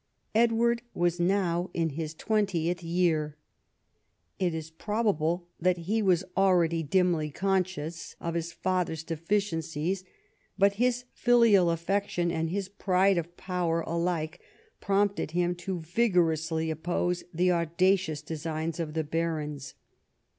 Edward was now in his twentieth year. It is pro bable that he was already dimly conscious of his father's deficiencies, but his filial affection and his pride of power alike prompted him to vigorously oppose the audacious designs of the barons.